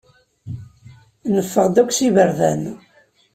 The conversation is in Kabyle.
Neffeɣ-d akk s iberdan.